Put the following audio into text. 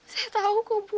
saya tau kok bu